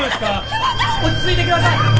落ち着いてください！